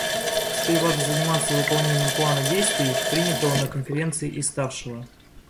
Теперь важно заняться выполнением плана действий, принятого на Конференции и ставшего.